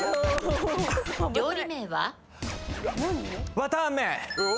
わたあめ。